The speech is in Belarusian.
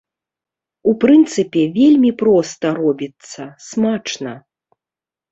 У прынцыпе, вельмі проста робіцца, смачна.